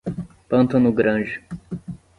Pantano Grande